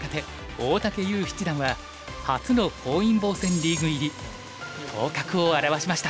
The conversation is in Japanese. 大竹優七段は初の本因坊戦リーグ入り頭角を現しました。